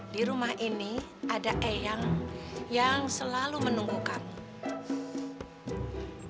di rumah ini ada eang yang selalu menunggu kamu